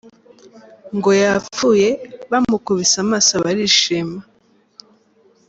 ngo yapfuye; bamukubise amaso barishima.